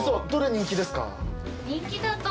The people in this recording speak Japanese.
人気だと。